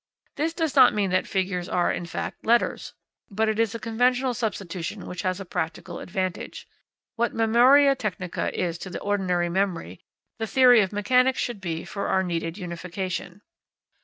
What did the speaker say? This does not mean that figures are, in fact, letters, but it is a conventional substitution which has a practical advantage. What memoria technica is to the ordinary memory, the theory of mechanics should be for our needed unification.